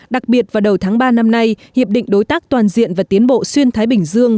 đặc biệt vào đầu tháng ba năm nay hiệp định đối tác toàn diện và tiến bộ xuyên thái bình dương